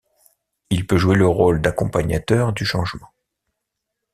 Il peut jouer le rôle d'accompagnateur du changement.